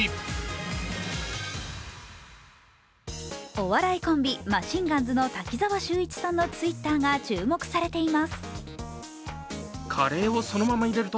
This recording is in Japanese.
お笑いコンビ、マシンガンズの滝沢秀一さんのＴｗｉｔｔｅｒが注目されています。